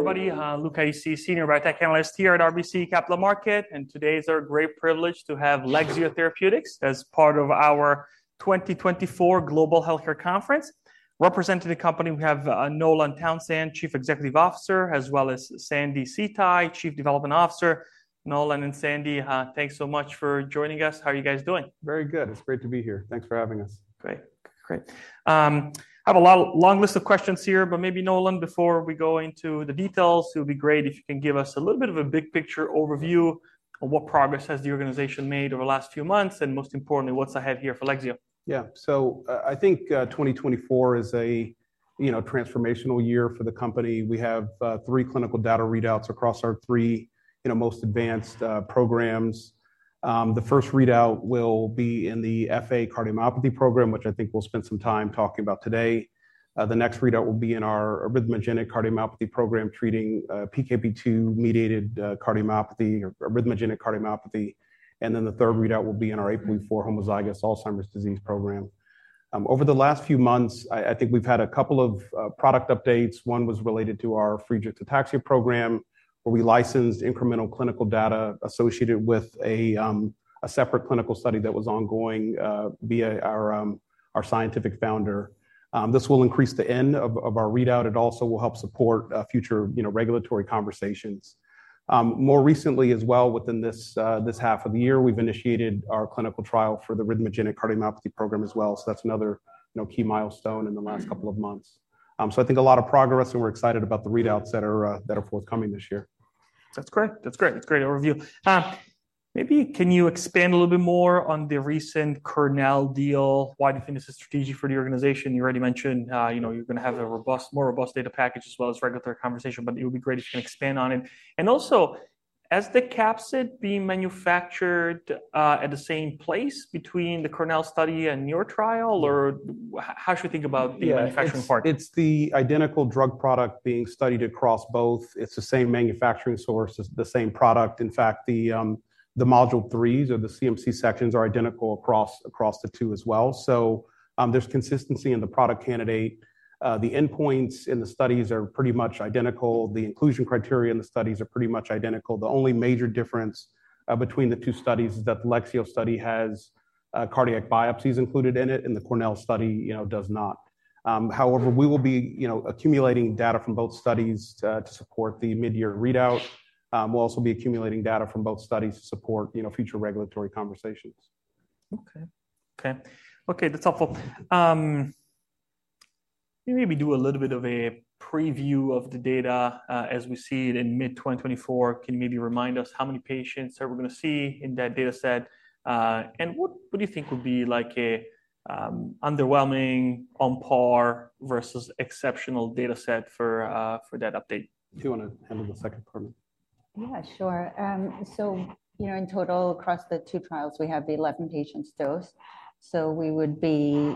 Everybody, Luca Issi, Senior Biotech Analyst here at RBC Capital Markets, and today is our great privilege to have Lexeo Therapeutics as part of our 2024 Global Healthcare Conference. Representing the company, we have Nolan Townsend, Chief Executive Officer, as well as Sandi See Tai, Chief Development Officer. Nolan and Sandi, thanks so much for joining us. How are you guys doing? Very good. It's great to be here. Thanks for having us. Great, great. I have a long list of questions here, but maybe Nolan, before we go into the details, it would be great if you can give us a little bit of a big picture overview of what progress has the organization made over the last few months, and most importantly, what's ahead here for Lexeo. Yeah, so I think 2024 is a transformational year for the company. We have three clinical data readouts across our three most advanced programs. The first readout will be in the FA Cardiomyopathy Program, which I think we'll spend some time talking about today. The next readout will be in our Arrhythmogenic Cardiomyopathy Program, treating PKP2-mediated cardiomyopathy or arrhythmogenic cardiomyopathy. And then the third readout will be in our APOE4 Homozygous Alzheimer's Disease Program. Over the last few months, I think we've had a couple of product updates. One was related to our Friedreich's Ataxia Program, where we licensed incremental clinical data associated with a separate clinical study that was ongoing via our scientific founder. This will increase the end of our readout. It also will help support future regulatory conversations. More recently as well, within this half of the year, we've initiated our clinical trial for the Arrhythmogenic Cardiomyopathy Program as well. So that's another key milestone in the last couple of months. So I think a lot of progress, and we're excited about the readouts that are forthcoming this year. That's great. That's great. That's a great overview. Maybe can you expand a little bit more on the recent Cornell deal, wide-definition strategy for the organization? You already mentioned you're going to have a more robust data package as well as regulatory conversation, but it would be great if you can expand on it. And also, as the capsid being manufactured at the same place between the Cornell study and your trial, or how should we think about the manufacturing part? Yes, it's the identical drug product being studied across both. It's the same manufacturing source, the same product. In fact, the Module 3s or the CMC sections are identical across the two as well. So there's consistency in the product candidate. The endpoints in the studies are pretty much identical. The inclusion criteria in the studies are pretty much identical. The only major difference between the two studies is that the Lexeo study has cardiac biopsies included in it, and the Cornell study does not. However, we will be accumulating data from both studies to support the mid-year readout. We'll also be accumulating data from both studies to support future regulatory conversations. Okay, okay, okay, that's helpful. Can you maybe do a little bit of a preview of the data as we see it in mid-2024? Can you maybe remind us how many patients are we going to see in that data set? And what do you think would be like an underwhelming, on par, versus exceptional data set for that update? Sandi you want to handle the second part. Yeah, sure. So in total, across the two trials, we have the 11 patients dosed. So we would be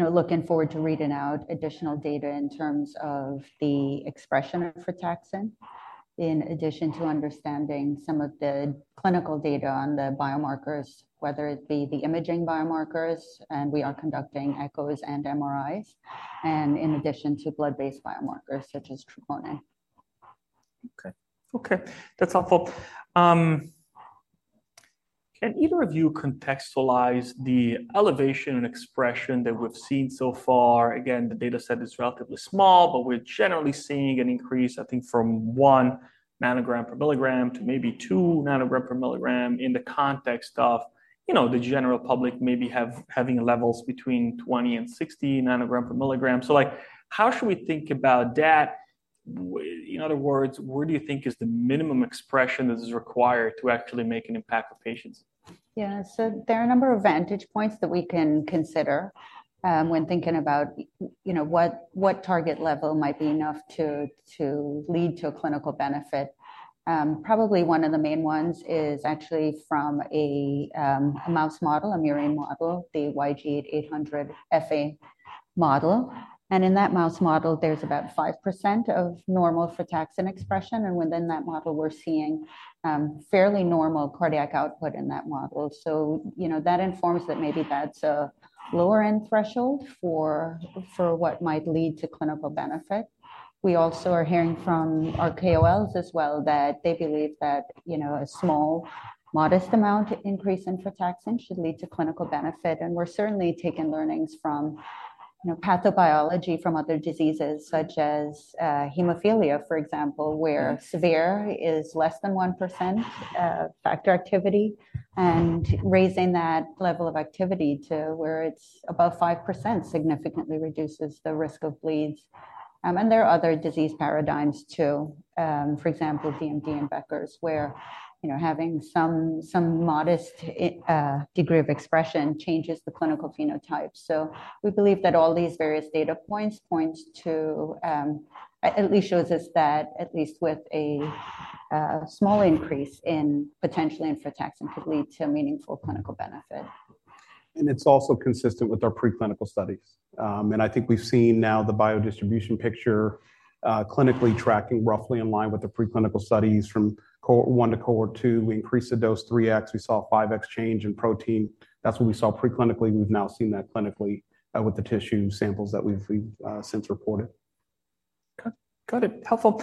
looking forward to reading out additional data in terms of the expression of frataxin, in addition to understanding some of the clinical data on the biomarkers, whether it be the imaging biomarkers, and we are conducting echoes and MRIs, and in addition to blood-based biomarkers such as troponin. Okay, okay, that's helpful. Can either of you contextualize the elevation and expression that we've seen so far? Again, the data set is relatively small, but we're generally seeing an increase, I think, from 1 nanogram per milligram to maybe 2 ng/mg in the context of the general public maybe having levels between 20 and 60 ng/mg. So how should we think about that? In other words, where do you think is the minimum expression that is required to actually make an impact on patients? Yeah, so there are a number of vantage points that we can consider when thinking about what target level might be enough to lead to a clinical benefit. Probably one of the main ones is actually from a mouse model, a murine model, the YG8-800 FA model. And in that mouse model, there's about 5% of normal frataxin expression. And within that model, we're seeing fairly normal cardiac output in that model. So that informs that maybe that's a lower-end threshold for what might lead to clinical benefit. We also are hearing from our KOLs as well that they believe that a small, modest amount increase in frataxin should lead to clinical benefit. And we're certainly taking learnings from pathobiology, from other diseases such as hemophilia, for example, where severe is less than 1% factor activity. And raising that level of activity to where it's above 5% significantly reduces the risk of bleeds. And there are other disease paradigms, too. For example, DMD and Becker's, where having some modest degree of expression changes the clinical phenotype. So we believe that all these various data points point to, at least shows us that, at least with a small increase in potentially in frataxin, could lead to meaningful clinical benefit. It's also consistent with our preclinical studies. I think we've seen now the biodistribution picture clinically tracking roughly in line with the preclinical studies. From cohort one to cohort two, we increased the dose 3x. We saw a 5x change in protein. That's what we saw preclinically. We've now seen that clinically with the tissue samples that we've since reported. Got it, helpful.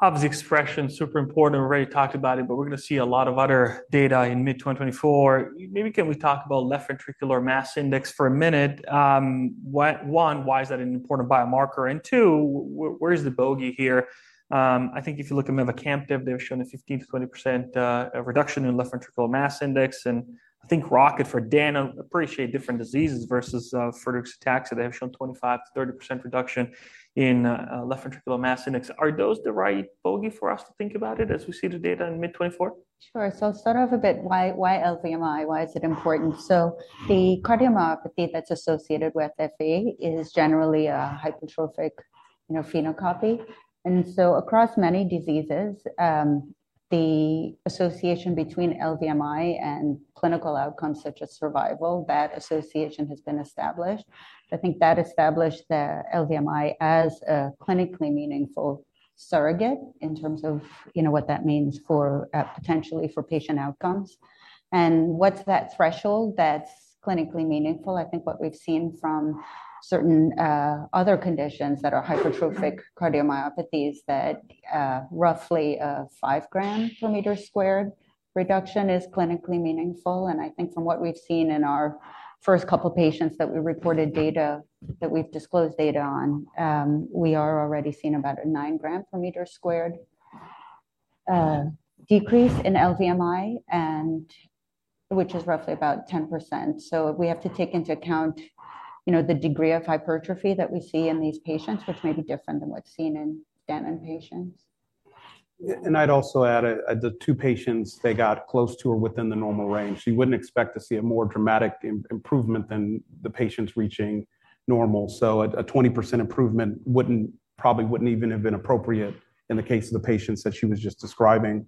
Obviously, expression is super important. We've already talked about it, but we're going to see a lot of other data in mid-2024. Maybe can we talk about the left ventricular mass index for a minute? One, why is that an important biomarker? And two, where is the bogey here? I think if you look at mavacamten, they've shown a 15%-20% reduction in left ventricular mass index. And I think Rocket for Danon appreciates different diseases versus Friedreich's Ataxia. They have shown a 25%-30% reduction in left ventricular mass index. Are those the right bogey for us to think about it as we see the data in mid-2024? Sure. So I'll start off a bit. Why LVMI? Why is it important? So the cardiomyopathy that's associated with FA is generally a hypertrophic phenotype. And so across many diseases, the association between LVMI and clinical outcomes such as survival, that association has been established. I think that established the LVMI as a clinically meaningful surrogate in terms of what that means potentially for patient outcomes. And what's that threshold that's clinically meaningful? I think what we've seen from certain other conditions that are hypertrophic cardiomyopathies, that roughly a 5 g/m² reduction is clinically meaningful. And I think from what we've seen in our first couple of patients that we reported data that we've disclosed data on, we are already seeing about a 9 g/m² squared decrease in LVMI, which is roughly about 10%. So we have to take into account the degree of hypertrophy that we see in these patients, which may be different than what's seen in Danon patients. I'd also add, the two patients, they got close to or within the normal range. So you wouldn't expect to see a more dramatic improvement than the patients reaching normal. A 20% improvement probably wouldn't even have been appropriate in the case of the patients that she was just describing.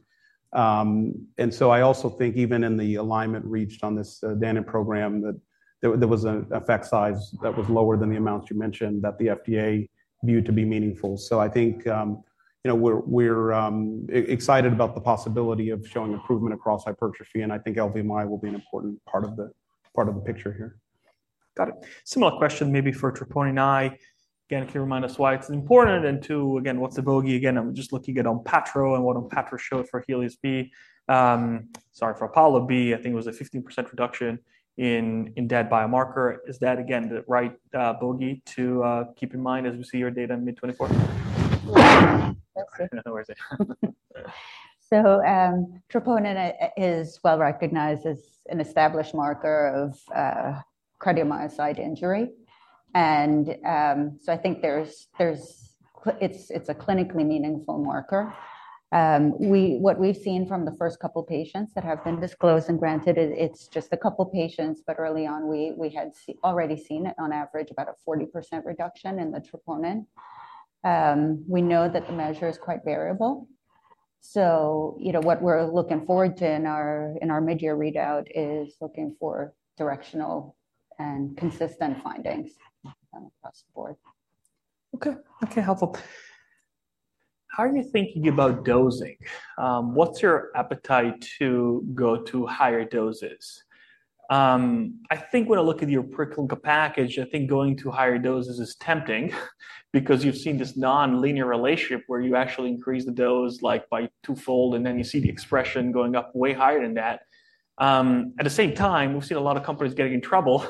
I also think even in the alignment reached on this Danon program, that there was an effect size that was lower than the amounts you mentioned that the FDA viewed to be meaningful. I think we're excited about the possibility of showing improvement across hypertrophy. I think LVMI will be an important part of the picture here. Got it. Similar question, maybe for troponin I. Again, can you remind us why it's important? And two, again, what's the bogey? Again, I'm just looking at Onpatro and what Onpatro showed for HELIOS-B. Sorry, for Apollo-B, I think it was a 15% reduction in cardiac biomarker. Is that, again, the right bogey to keep in mind as we see your data in mid-2024? Troponin is well recognized as an established marker of cardiomyocyte injury. And so I think it's a clinically meaningful marker. What we've seen from the first couple of patients that have been disclosed, and granted, it's just a couple of patients, but early on, we had already seen, on average, about a 40% reduction in the troponin. We know that the measure is quite variable. So what we're looking forward to in our mid-year readout is looking for directional and consistent findings across the board. Okay, okay, helpful. How are you thinking about dosing? What's your appetite to go to higher doses? I think when I look at your preclinical package, I think going to higher doses is tempting because you've seen this nonlinear relationship where you actually increase the dose by twofold, and then you see the expression going up way higher than that. At the same time, we've seen a lot of companies getting in trouble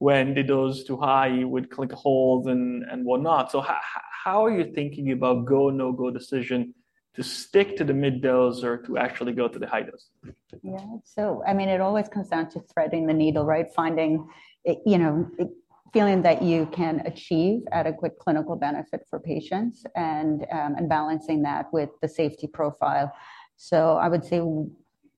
when the dose is too high; you would [get a] clinical hold and whatnot. So how are you thinking about go-no-go decision to stick to the mid-dose or to actually go to the high dose? Yeah, so I mean, it always comes down to threading the needle, right? Feeling that you can achieve adequate clinical benefit for patients and balancing that with the safety profile. So I would say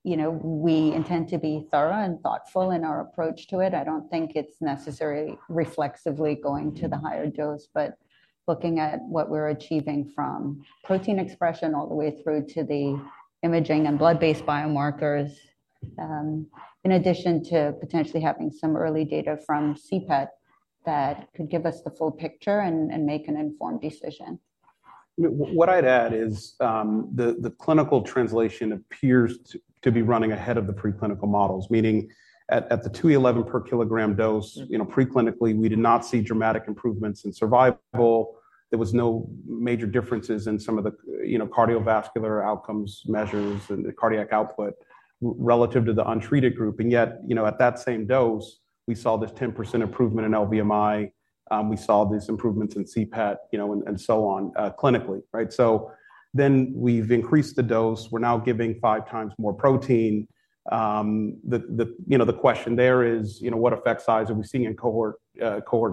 we intend to be thorough and thoughtful in our approach to it. I don't think it's necessarily reflexively going to the higher dose, but looking at what we're achieving from protein expression all the way through to the imaging and blood-based biomarkers, in addition to potentially having some early data from CPET that could give us the full picture and make an informed decision. What I'd add is the clinical translation appears to be running ahead of the preclinical models, meaning at the 2e11 per kilogram dose, preclinically, we did not see dramatic improvements in survival. There were no major differences in some of the cardiovascular outcomes, measures, and cardiac output relative to the untreated group. And yet, at that same dose, we saw this 10% improvement in LVMI. We saw these improvements in CPET and so on clinically, right? So then we've increased the dose. We're now giving five times more protein. The question there is, what effect size are we seeing in cohort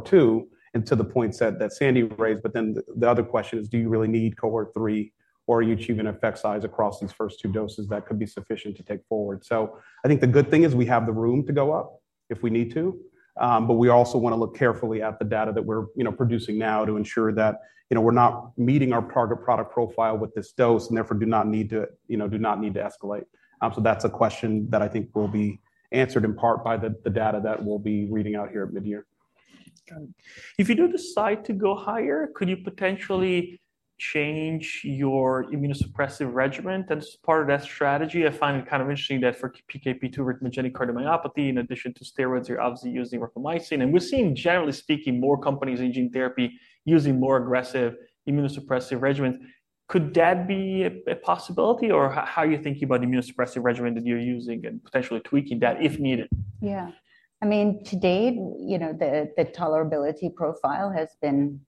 two and to the point that Sandi raised? But then the other question is, do you really need cohort three, or are you achieving an effect size across these first two doses that could be sufficient to take forward? I think the good thing is we have the room to go up if we need to. We also want to look carefully at the data that we're producing now to ensure that we're not meeting our target product profile with this dose and therefore do not need to escalate. That's a question that I think will be answered in part by the data that we'll be reading out here at mid-year. Got it. If you do decide to go higher, could you potentially change your immunosuppressive regimen? As part of that strategy, I find it kind of interesting that for PKP2 with arrhythmogenic cardiomyopathy, in addition to steroids, you're obviously using sirolimus. We're seeing, generally speaking, more companies in gene therapy using more aggressive immunosuppressive regimens. Could that be a possibility? Or how are you thinking about the immunosuppressive regimen that you're using and potentially tweaking that if needed? Yeah, I mean, to date, the tolerability profile has been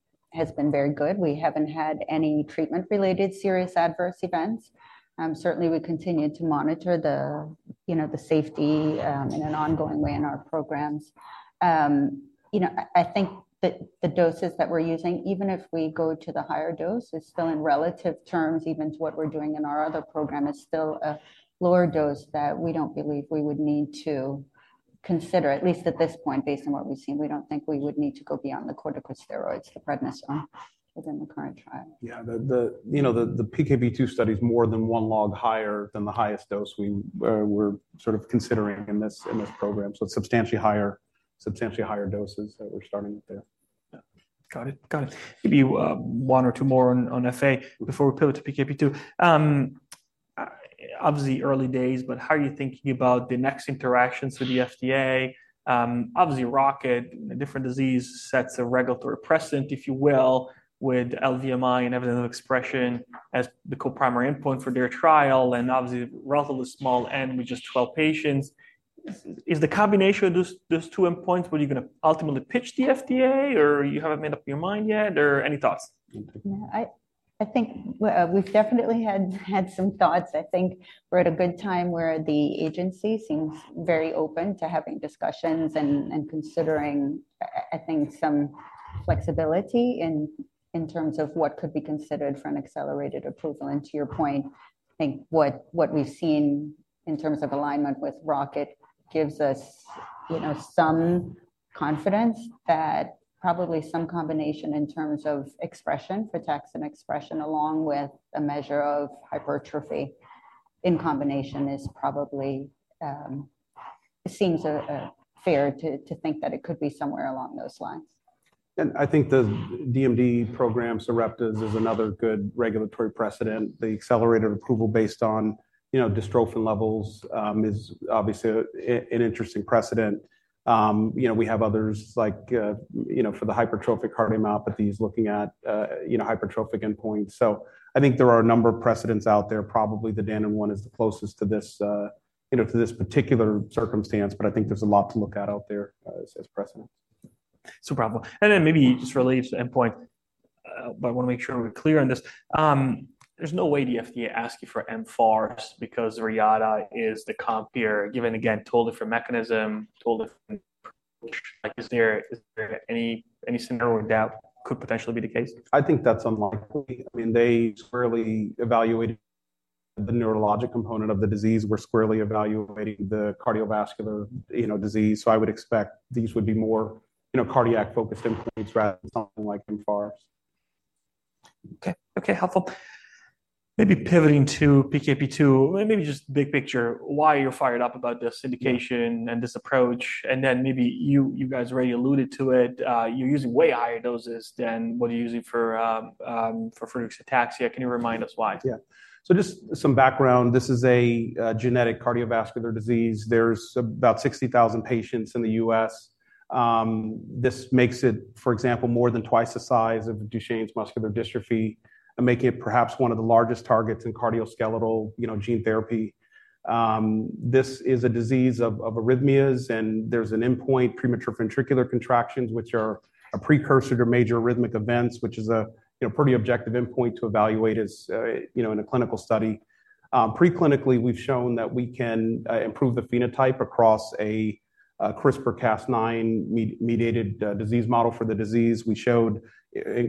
very good. We haven't had any treatment-related serious adverse events. Certainly, we continue to monitor the safety in an ongoing way in our programs. I think that the doses that we're using, even if we go to the higher dose, is still, in relative terms, even to what we're doing in our other program, is still a lower dose that we don't believe we would need to consider, at least at this point, based on what we've seen. We don't think we would need to go beyond the corticosteroids, the prednisone, within the current trial. Yeah, the PKP2 study is more than one log higher than the highest dose we were sort of considering in this program. It's substantially higher doses that we're starting with there. Got it, got it. Maybe one or two more on FA before we pivot to PKP2. Obviously, early days, but how are you thinking about the next interactions with the FDA? Obviously, Rocket, a different disease sets a regulatory precedent, if you will, with LVMI and evidence of expression as the co-primary endpoint for their trial. And obviously, relatively small n with just 12 patients. Is the combination of those two endpoints what you're going to ultimately pitch the FDA? Or you haven't made up your mind yet? Or any thoughts? Yeah, I think we've definitely had some thoughts. I think we're at a good time where the agency seems very open to having discussions and considering, I think, some flexibility in terms of what could be considered for an accelerated approval. And to your point, I think what we've seen in terms of alignment with Rocket gives us some confidence that probably some combination in terms of frataxin expression and expression, along with a measure of hypertrophy in combination, seems fair to think that it could be somewhere along those lines. I think the DMD program, Sarepta's, is another good regulatory precedent. The accelerated approval based on dystrophin levels is obviously an interesting precedent. We have others for the hypertrophic cardiomyopathies looking at hypertrophic endpoints. I think there are a number of precedents out there. Probably the Danon one is the closest to this particular circumstance. I think there's a lot to look at out there as precedents. So probable. Then maybe just related to endpoints, but I want to make sure we're clear on this. There's no way the FDA asked you for mFARS because Reata is the comp here, given, again, a totally different mechanism, totally different approach. Is there any scenario where doubt could potentially be the case? I think that's unlikely. I mean, they squarely evaluated the neurologic component of the disease. We're squarely evaluating the cardiovascular disease. So I would expect these would be more cardiac-focused endpoints rather than something like mFARS. Okay, okay, helpful. Maybe pivoting to PKP2, maybe just big picture, why are you fired up about this indication and this approach? And then maybe you guys already alluded to it. You're using way higher doses than what you're using for Friedreich's Ataxia. Can you remind us why? Yeah. So just some background. This is a genetic cardiovascular disease. There's about 60,000 patients in the US. This makes it, for example, more than twice the size of Duchenne's muscular dystrophy, making it perhaps one of the largest targets in cardioskeletal gene therapy. This is a disease of arrhythmias. And there's an endpoint, premature ventricular contractions, which are a precursor to major arrhythmic events, which is a pretty objective endpoint to evaluate in a clinical study. Preclinically, we've shown that we can improve the phenotype across a CRISPR-Cas9 mediated disease model for the disease. We showed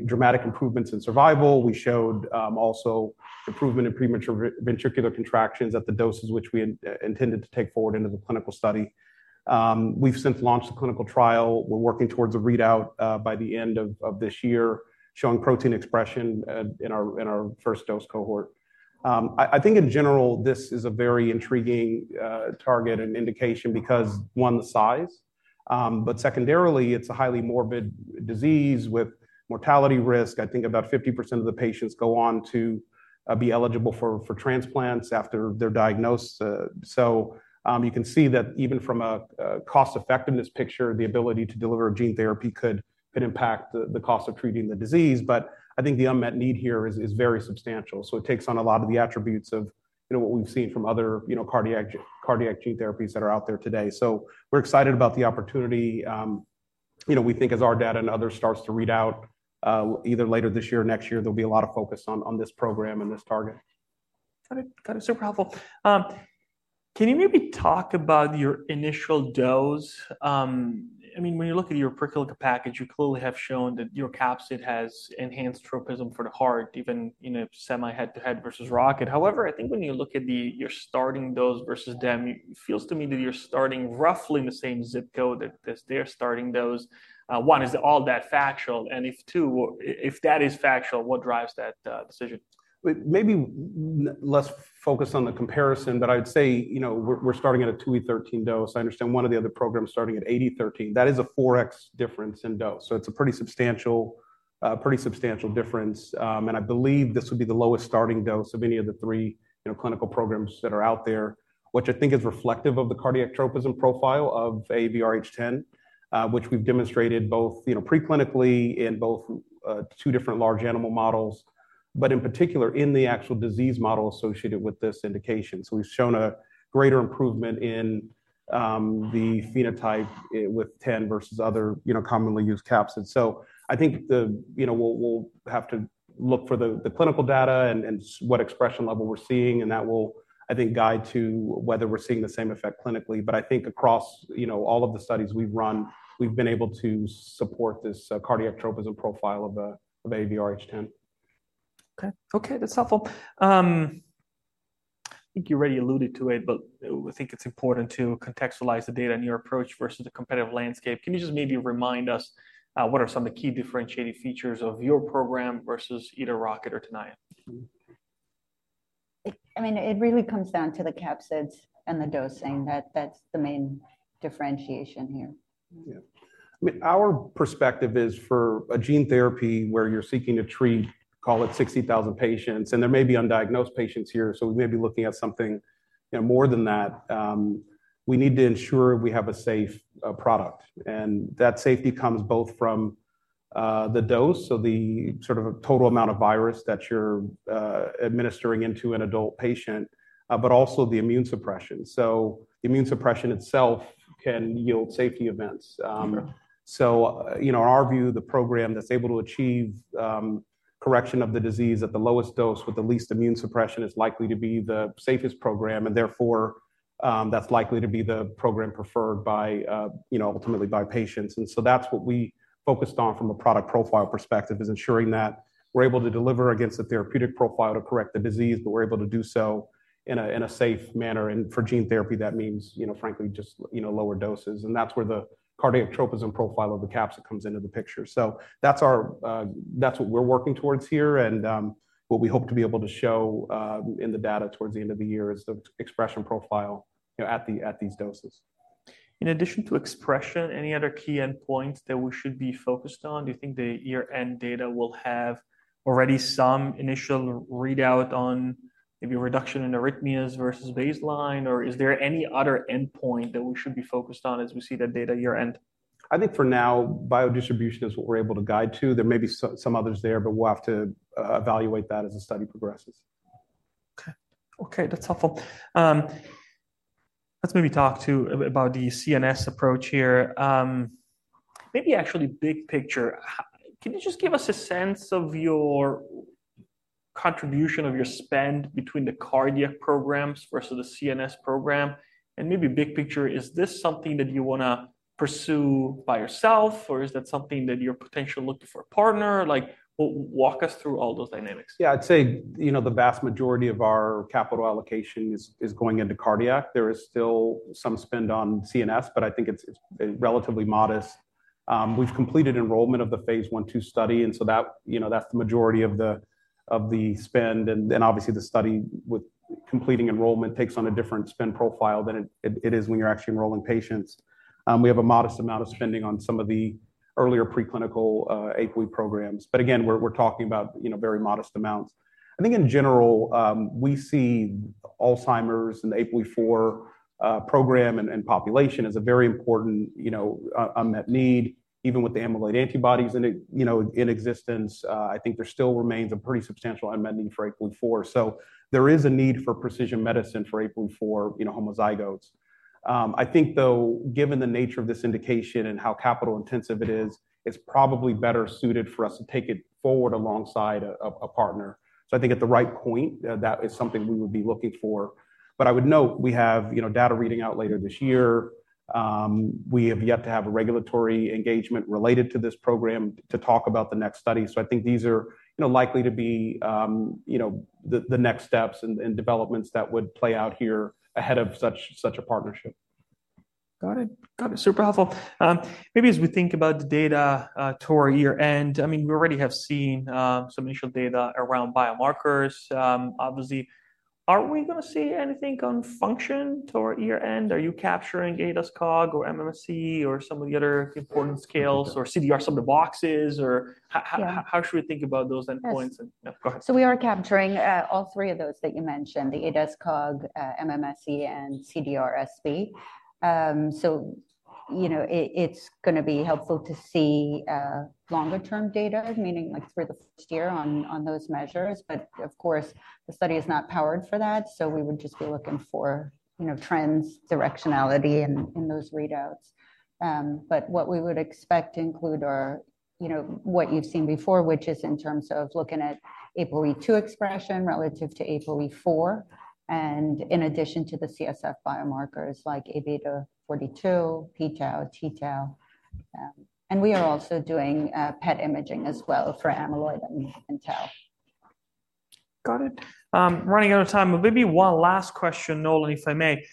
dramatic improvements in survival. We showed also improvement in premature ventricular contractions at the doses which we intended to take forward into the clinical study. We've since launched a clinical trial. We're working towards a readout by the end of this year showing protein expression in our first dose cohort. I think, in general, this is a very intriguing target and indication because, one, the size. But secondarily, it's a highly morbid disease with mortality risk. I think about 50% of the patients go on to be eligible for transplants after they're diagnosed. So you can see that even from a cost-effectiveness picture, the ability to deliver gene therapy could impact the cost of treating the disease. But I think the unmet need here is very substantial. So it takes on a lot of the attributes of what we've seen from other cardiac gene therapies that are out there today. So we're excited about the opportunity. We think as our data and others start to read out, either later this year or next year, there'll be a lot of focus on this program and this target. Got it, got it. Super helpful. Can you maybe talk about your initial dose? I mean, when you look at your preclinical package, you clearly have shown that your capsid has enhanced tropism for the heart, even semi-head-to-head versus Rocket. However, I think when you look at your starting dose versus them, it feels to me that you're starting roughly in the same zip code as their starting dose. One, is all that factual? And two, if that is factual, what drives that decision? Maybe less focused on the comparison. But I would say we're starting at a 2.13 × 10¹³ dose. I understand one of the other programs is starting at 8 × 10¹³. That is a 4x difference in dose. So it's a pretty substantial difference. And I believe this would be the lowest starting dose of any of the three clinical programs that are out there, which I think is reflective of the cardiac tropism profile of AAVrh.10, which we've demonstrated both preclinically and both two different large animal models, but in particular, in the actual disease model associated with this indication. So we've shown a greater improvement in the phenotype with AAVrh.10 versus other commonly used capsids. So I think we'll have to look for the clinical data and what expression level we're seeing. And that will, I think, guide to whether we're seeing the same effect clinically. But I think across all of the studies we've run, we've been able to support this cardiac tropism profile of AAVrh.10. Okay, okay, that's helpful. I think you already alluded to it. But I think it's important to contextualize the data and your approach versus the competitive landscape. Can you just maybe remind us what are some of the key differentiating features of your program versus either Rocket or Tenaya? I mean, it really comes down to the capsids and the dosing. That's the main differentiation here. Yeah. I mean, our perspective is for a gene therapy where you're seeking to treat, call it, 60,000 patients. And there may be undiagnosed patients here. So we may be looking at something more than that. We need to ensure we have a safe product. And that safety comes both from the dose, so the sort of total amount of virus that you're administering into an adult patient, but also the immune suppression. So the immune suppression itself can yield safety events. So in our view, the program that's able to achieve correction of the disease at the lowest dose with the least immune suppression is likely to be the safest program. And therefore, that's likely to be the program preferred, ultimately, by patients. And so that's what we focused on from a product profile perspective, is ensuring that we're able to deliver against a therapeutic profile to correct the disease, but we're able to do so in a safe manner. And for gene therapy, that means, frankly, just lower doses. And that's where the cardiac tropism profile of the capsid comes into the picture. So that's what we're working towards here. And what we hope to be able to show in the data towards the end of the year is the expression profile at these doses. In addition to expression, any other key endpoints that we should be focused on? Do you think the year-end data will have already some initial readout on maybe reduction in arrhythmias versus baseline? Or is there any other endpoint that we should be focused on as we see that data year-end? I think for now, biodistribution is what we're able to guide to. There may be some others there. But we'll have to evaluate that as the study progresses. Okay, okay, that's helpful. Let's maybe talk too about the CNS approach here. Maybe actually, big picture, can you just give us a sense of your contribution of your spend between the cardiac programs versus the CNS program? And maybe big picture, is this something that you want to pursue by yourself? Or is that something that you're potentially looking for a partner? Walk us through all those dynamics. Yeah, I'd say the vast majority of our capital allocation is going into cardiac. There is still some spend on CNS. But I think it's relatively modest. We've completed enrollment of the phase 1/2 study. And so that's the majority of the spend. And obviously, the study with completing enrollment takes on a different spend profile than it is when you're actually enrolling patients. We have a modest amount of spending on some of the earlier preclinical APOE programs. But again, we're talking about very modest amounts. I think, in general, we see Alzheimer's and the APOE4 program and population as a very important unmet need, even with the amyloid antibodies in existence. I think there still remains a pretty substantial unmet need for APOE4. So there is a need for precision medicine for APOE4 homozygotes. I think, though, given the nature of this indication and how capital-intensive it is, it's probably better suited for us to take it forward alongside a partner. So I think at the right point, that is something we would be looking for. But I would note we have data reading out later this year. We have yet to have a regulatory engagement related to this program to talk about the next study. So I think these are likely to be the next steps and developments that would play out here ahead of such a partnership. Got it, got it. Super helpful. Maybe as we think about the data toward year-end, I mean, we already have seen some initial data around biomarkers. Obviously, are we going to see anything on function toward year-end? Are you capturing ADAS-Cog or MMSE or some of the other important scales or CDR-SB? Or how should we think about those endpoints? Go ahead. So we are capturing all three of those that you mentioned, the ADAS-Cog, MMSE, and CDR-SB. So it's going to be helpful to see longer-term data, meaning through the first year on those measures. But of course, the study is not powered for that. So we would just be looking for trends, directionality in those readouts. But what we would expect include what you've seen before, which is in terms of looking at APOE2 expression relative to APOE4 and in addition to the CSF biomarkers like Aβ-42, pTau, tTau. And we are also doing PET imaging as well for amyloid and tau. Got it. Running out of time, maybe one last question, Nolan, if I may.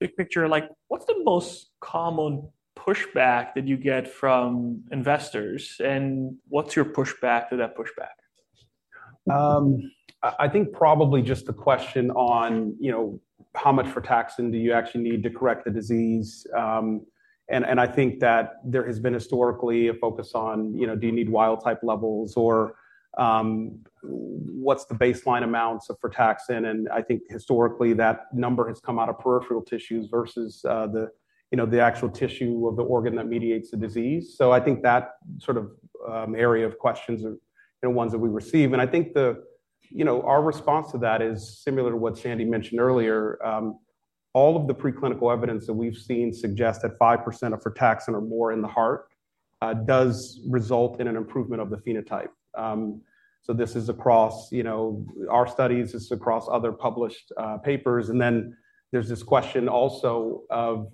Big picture, what's the most common pushback that you get from investors? And what's your pushback to that pushback? I think probably just the question on how much frataxin do you actually need to correct the disease. I think that there has been historically a focus on, do you need wild-type levels? Or what's the baseline amounts of frataxin? I think historically, that number has come out of peripheral tissues versus the actual tissue of the organ that mediates the disease. So I think that sort of area of questions are ones that we receive. I think our response to that is similar to what Sandi mentioned earlier. All of the preclinical evidence that we've seen suggests that 5% of frataxin or more in the heart does result in an improvement of the phenotype. So this is across our studies. It's across other published papers. And then there's this question also of,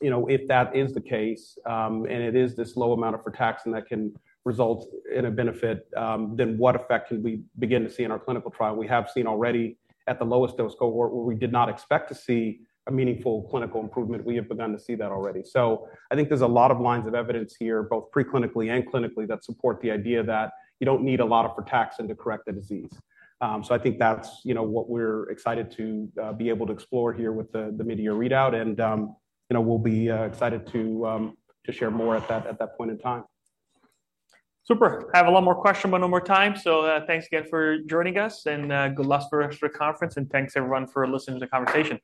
if that is the case, and it is this low amount of frataxin that can result in a benefit, then what effect can we begin to see in our clinical trial? We have seen already at the lowest dose cohort where we did not expect to see a meaningful clinical improvement. We have begun to see that already. So I think there's a lot of lines of evidence here, both preclinically and clinically, that support the idea that you don't need a lot of frataxin to correct the disease. So I think that's what we're excited to be able to explore here with the media readout. And we'll be excited to share more at that point in time. Super. I have a lot more questions but no more time. So thanks again for joining us. And good luck for the rest of the conference. And thanks, everyone, for listening to the conversation.